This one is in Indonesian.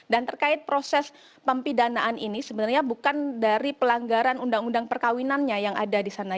dan terkait proses pempidanaan ini sebenarnya bukan dari pelanggaran undang undang perkawinannya yang ada di sana